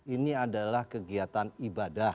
ini adalah kegiatan ibadah